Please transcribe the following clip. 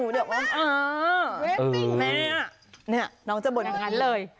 เดี๋ยวก็อ่าแม่น้องจะบ่นอย่างนั้นเลย